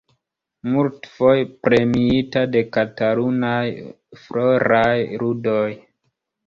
Multfoje premiita de Katalunaj Floraj Ludoj.